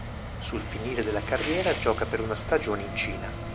Sul finire dalla carriera gioca per una stagione in Cina.